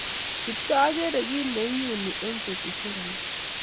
Kiptooo agere kit neu ni eng betusiek alak